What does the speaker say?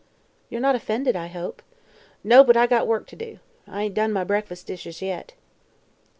"You're not offended, I hope." "No, but I got work to do. I ain't done my breakfas' dishes yet."